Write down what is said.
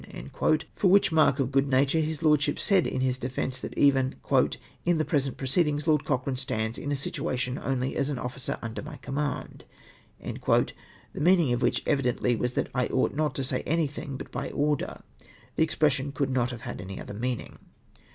[Minutes^ p. 40.) For which mark of good nature, his lordship said in his defence, that even " in the present proceedings, Lord Cochrane stands in a situation only as an officer under my command !" (Mi nutes, p. 107) the meaning of which evidently was that I ought not to say anything but l^y order. The ex pression could not have had any other meaning.